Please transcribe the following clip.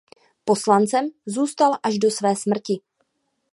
Poslancem zůstal až do své smrti.